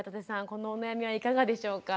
このお悩みはいかがでしょうか？